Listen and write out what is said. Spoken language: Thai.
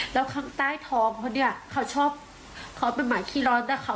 แล้วน้องจะต้องรักษาตัวตลอดนะคะ